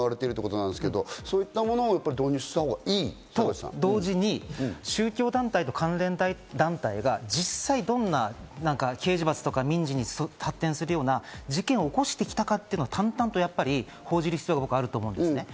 ９０年代半ばなどにフランスなどで行われているということですけど、そういうものを導入したほうがいいと？と同時に、宗教団体と関連団体が実際どんな刑事罰とか民事に発展するような事件を起こしてきたか、淡々と報じる必要があると思うんです。